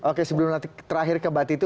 oke sebelum nanti terakhir ke mbak titi